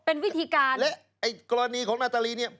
เป็นวิธีการและไอ้กรณีของนาตาลีเนี่ย